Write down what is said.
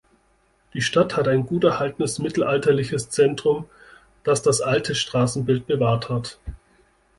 Die Stadt hat ein gut erhaltenes mittelalterliches Zentrum, das das alte Straßenbild bewahrt hat.